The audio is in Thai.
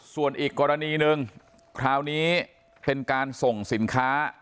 ส่วนอีกกรณีหนึ่งคราวนี้เป็นการส่งสินค้า